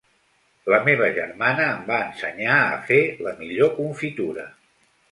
La meva germana em va ensenyar a fer la millor confitura.